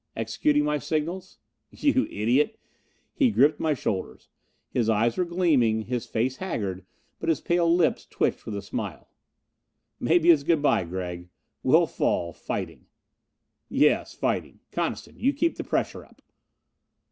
Executing my signals?" "You idiot!" He gripped my shoulders. His eyes were gleaming, his face haggard, but his pale lips twitched with a smile. "Maybe it's good by, Gregg. We'll fall fighting." "Yes. Fighting. Coniston, you keep the pressure up."